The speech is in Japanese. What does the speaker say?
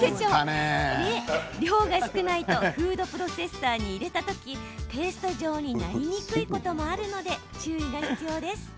量が少ないとフードプロセッサーに入れたときペースト状になりにくいこともあるので注意が必要です。